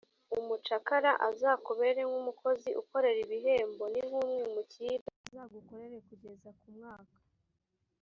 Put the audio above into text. umucakara azakubere nk’umukozi ukorera ibihembo ni nk‘umwimukira azagukorere kugeza ku mwaka